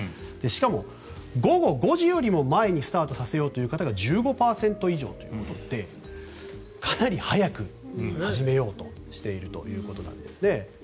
しかも午後５時よりも前にスタートさせようという方が１５％以上というかなり早く始めようとしているということなんですね。